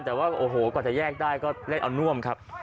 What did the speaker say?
แต่ว่าโอ้โหกว่าจะแยกได้ก็เล่นเอาน่วมครับ